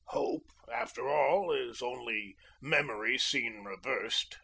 Hope, after all, is only memory seen reversed.